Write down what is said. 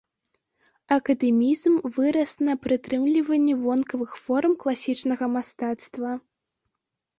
Акадэмізм вырас на прытрымліванні вонкавых форм класічнага мастацтва.